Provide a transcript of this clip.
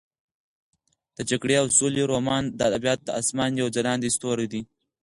د جګړې او سولې رومان د ادبیاتو د اسمان یو ځلانده ستوری دی.